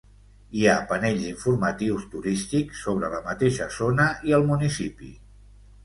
Hi ha panells informatius turístics sobre la mateixa zona i el municipi.